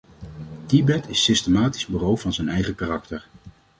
Tibet is systematisch beroofd van zijn eigen karakter.